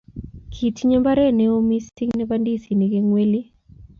kitinye mbaret neoo misiing nebo ndizinik eng' weli